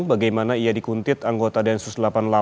bagaimana ia dikuntit anggota densus delapan puluh delapan